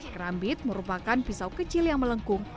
kerambit merupakan pisau kecil yang melengkung